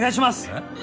えっ？